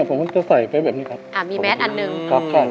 ผมจะใส่ไปแบบนี้ครับมีแมทอันหนึ่งครับ